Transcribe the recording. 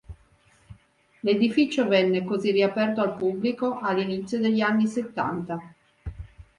L'edificio venne così riaperto al pubblico all'inizio degli anni settanta.